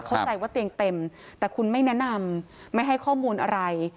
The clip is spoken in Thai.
เข้าใจว่าเตียงเต็มแต่คุณไม่แนะนำไม่ให้ข้อมูลอะไร